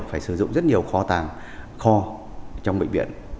phải sử dụng rất nhiều kho tàng kho trong bệnh viện